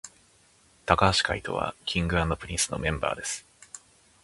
髙橋海人は King & Prince のメンバーです